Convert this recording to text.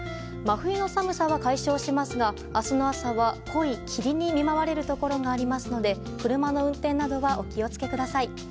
真冬の寒さは解消しますが明日の朝は、濃い霧に見舞われるところがありますので車の運転などはお気を付けください。